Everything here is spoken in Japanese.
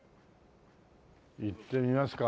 行ってみますか。